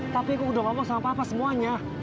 tapi aku udah ngomong sama papa semuanya